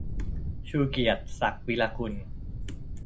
ชูเกียรติ ศักดิ์วีระกุล